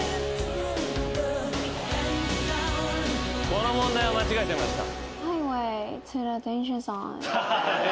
この問題は間違えてました。